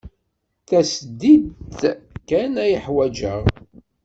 Tasdidt kan ay ḥwajeɣ.